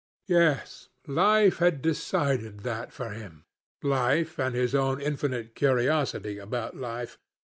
Yes, life had decided that for him—life, and his own infinite curiosity about life.